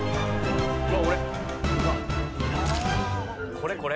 これこれ。